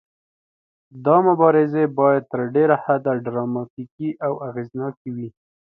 دا مبارزې باید تر ډیره حده ډراماتیکې او اغیزناکې وي.